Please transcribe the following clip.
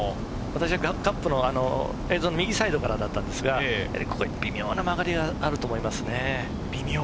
カップのフェーズの右サイドからだったんですが、微妙な曲がりがあると思います。